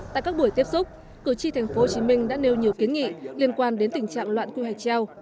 tại các buổi tiếp xúc cử tri tp hcm đã nêu nhiều kiến nghị liên quan đến tình trạng loạn quy hoạch treo